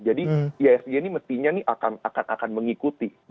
jadi iasg ini mestinya akan mengikuti